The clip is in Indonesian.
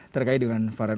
terkait dengan varian